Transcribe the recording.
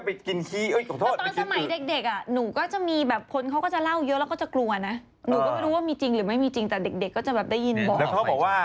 พีกระซื้อเนี่ยถอดหัวออกมาแล้วก็มีไส้แล้วก็มีกระเพาะเป็นไฟ